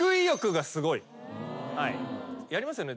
やりますよね？